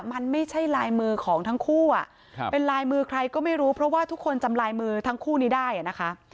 มันไม่ใช่ลายมือของทั้งคู่เป็นลายมือใครก็ไม่รู้เพราะว่าทุกคนจำลายมือทั้งคู่นี้ได้นะคะ